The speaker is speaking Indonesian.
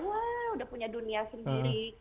wah udah punya dunia sendiri